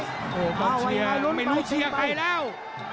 โอ้โหต้องเชียร์ไม่รู้เชียร์ใครแล้ว